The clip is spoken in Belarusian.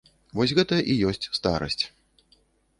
Вось гэта і ёсць старасць.